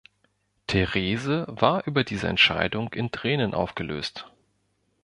Therese war über diese Entscheidung in Tränen aufgelöst.